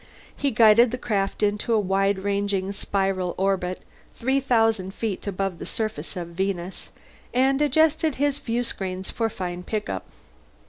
He guided the craft into a wide ranging spiral orbit three thousand feet above the surface of Venus, and adjusted his viewscreens for fine pickup.